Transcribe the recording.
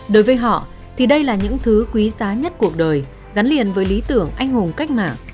đối với họ thì đây là những thứ quý giá nhất cuộc đời gắn liền với lý tưởng anh hùng cách mạng